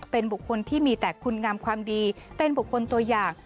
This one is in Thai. เป็นบุคคลที่มีแต่คุณงามความดีเป็นบุคคลตัวอย่าง